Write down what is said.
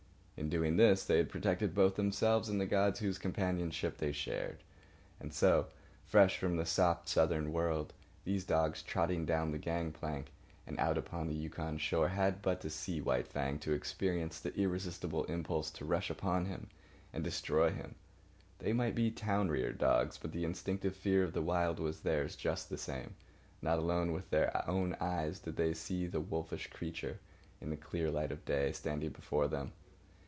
In doing this they had protected both themselves and the gods whose companionship they shared. And so, fresh from the soft southern world, these dogs, trotting down the gang plank and out upon the Yukon shore had but to see White Fang to experience the irresistible impulse to rush upon him and destroy him. They might be town reared dogs, but the instinctive fear of the Wild was theirs just the same. Not alone with their own eyes did they see the wolfish creature in the clear light of day, standing before them.